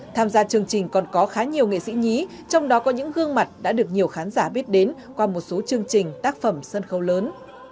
tham gia chương trình còn có khá nhiều nghệ sĩ nhí trong đó có những gương mặt đã được nhiều khán giả biết đến qua một số chương trình tác phẩm sân khấu lớn